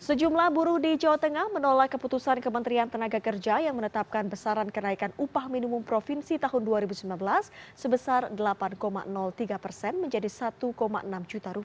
sejumlah buruh di jawa tengah menolak keputusan kementerian tenaga kerja yang menetapkan besaran kenaikan upah minimum provinsi tahun dua ribu sembilan belas sebesar delapan tiga persen menjadi rp satu enam juta